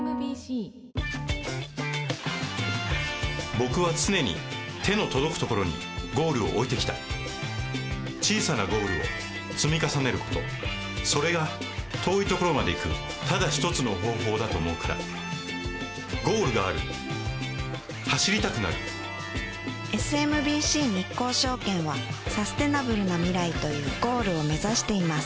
僕は常に手の届くところにゴールを置いてきた小さなゴールを積み重ねることそれが遠いところまで行くただ一つの方法だと思うからゴールがある走りたくなるＳＭＢＣ日興証券はサステナブルな未来というゴールを目指しています